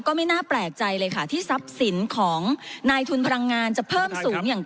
ก็ไม่น่าแปลกใจเลยค่ะที่ทรัพย์สินของนายทุนพลังงานจะเพิ่มสูงอย่าง